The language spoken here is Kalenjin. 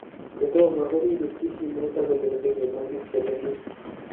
kutomo ko kipirchi simee akulenchi kinam biich chemenket